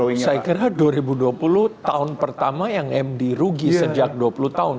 saya kira dua ribu dua puluh tahun pertama yang md rugi sejak dua puluh tahun